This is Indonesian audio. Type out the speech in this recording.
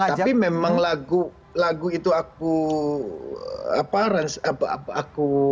tapi memang lagu itu aku